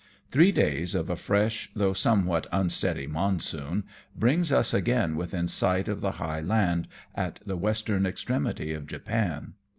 Three days of a fresh, though somewhat unsteady monsoon, brings us again within sight of the high land, at the western extremity of Japan.